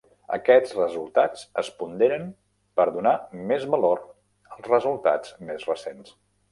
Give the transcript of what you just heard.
Aquests resultats es ponderen per donar més valor als resultats més recents.